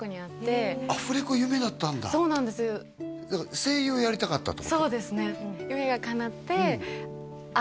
声優をやりたかったってこと？